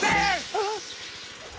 あっ。